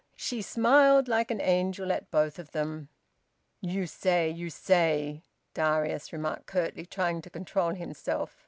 She smiled like an angel at both of them. "You say! You say!" Darius remarked curtly, trying to control himself.